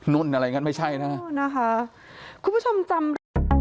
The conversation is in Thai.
นู่นอะไรอย่างงั้นไม่ใช่นะฮะคุณผู้ชมจำ